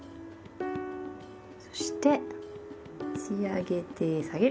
そして持ち上げて下げる。